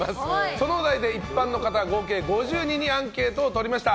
そのお題で一般の方合計５０人にアンケートを取りました。